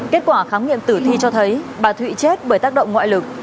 kết quả khám nghiệm tử thi cho thấy bà thụy chết bởi tác động ngoại lực